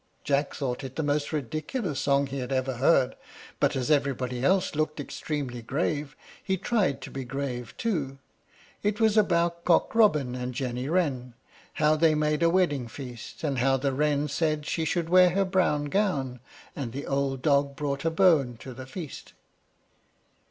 Jack thought it the most ridiculous song he had ever heard; but as everybody else looked extremely grave, he tried to be grave too. It was about Cock Robin and Jenny Wren, how they made a wedding feast, and how the wren said she should wear her brown gown, and the old dog brought a bone to the feast.